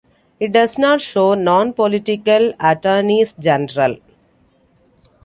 It does not show non-political attorneys-general.